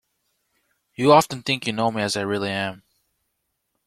You often think you know me as I really am?